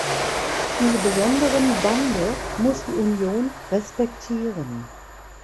Diese besonderen Bande muss die Union respektieren.